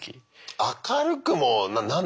明るくも何だ？